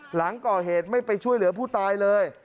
หลังก่อเหตุไม่ไปช่วยเหลือผู้ตายเลย